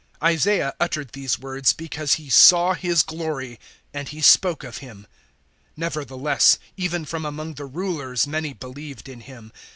012:041 Isaiah uttered these words because he saw His glory; and he spoke of Him. 012:042 Nevertheless even from among the Rulers many believed in Him.